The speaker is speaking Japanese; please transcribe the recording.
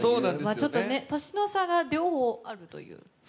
ちょっと年の差が両方あるという。